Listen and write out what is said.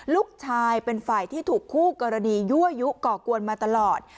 ลูกชายเป็นฝ่ายที่ถูกคู่กรณียั่วยุก่อกวนมาตลอด